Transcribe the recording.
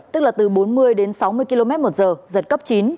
tức là từ bốn mươi đến sáu mươi km một giờ giật cấp chín